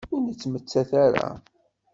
Ur nettmettat ara.